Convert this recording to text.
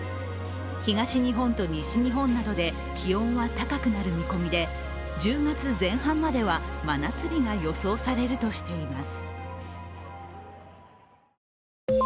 東日本と西日本などで気温は高くなる見込みで１０月前半までは真夏日が予想されるとしています。